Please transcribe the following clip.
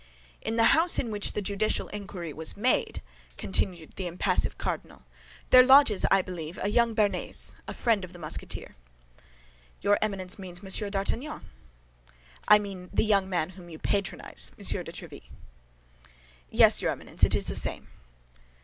"In the house in which the judicial inquiry was made," continued the impassive cardinal, "there lodges, I believe, a young Béarnais, a friend of the Musketeer." "Your Eminence means Monsieur d'Artagnan." "I mean a young man whom you patronize, Monsieur de Tréville." "Yes, your Eminence, it is the same."